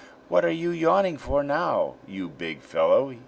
"What are you yawning for now, you big fellow?"